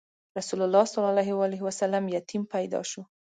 رسول الله ﷺ یتیم پیدا شو.